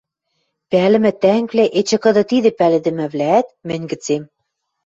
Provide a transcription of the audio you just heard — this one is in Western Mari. Пӓлӹмӹ тӓнгвлӓ, эче кыды-тидӹ пӓлӹдӹмӹвлӓӓт мӹнь гӹцем